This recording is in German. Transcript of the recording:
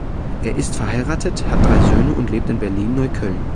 Er ist verheiratet, hat drei Söhne und lebt in Berlin-Neukölln.